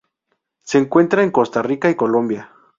Se encuentra en Costa Rica y Colombia.